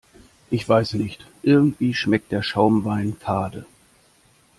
Ich weiß nicht, irgendwie schmeckt der Schaumwein fade.